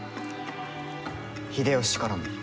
秀吉からも。